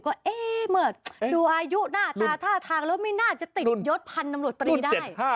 ก็เอ๊ะเมื่อดูอายุหน้าตาท่าทางแล้วไม่น่าจะติดยศพันธมรตรีได้